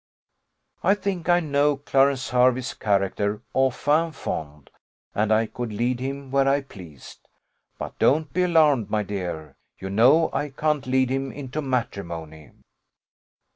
I think I know Clarence Hervey's character au fin fond, and I could lead him where I pleased: but don't be alarmed, my dear; you know I can't lead him into matrimony.